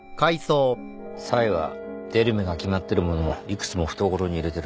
サイは出る目が決まってるものをいくつも懐に入れてる